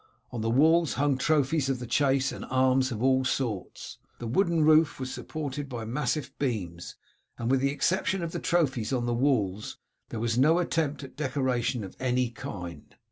On the walls hung trophies of the chase and arms of all sorts. The wooden roof was supported by massive beams, and with the exception of the trophies on the walls there was no attempt at decoration of any kind.